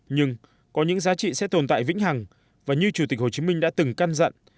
nhưng có những giá trị sẽ tồn tại vĩnh hằng và như chủ tịch hồ chí minh đã từng căn dặn